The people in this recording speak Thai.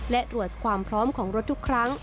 และตรวจความพร้อมของรถทุกครั้ง